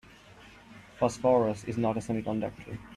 Phosphorus is not a semiconductor.